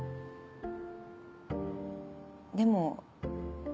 でも。